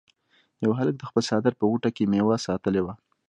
یو هلک د خپل څادر په غوټه کې میوه ساتلې وه.